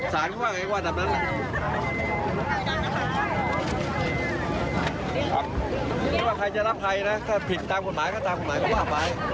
ทางด้านของนางสาวพิณภาพฤกษาพันธ์หรือว่ามืดหนอภรรยาของนายพลาจีนะครับ